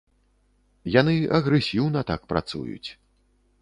Яны агрэсіўна так працуюць.